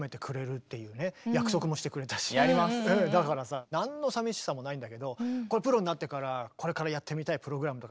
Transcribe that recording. だからさなんのさみしさもないんだけどプロになってからこれからやってみたいプログラムとかまたありますか？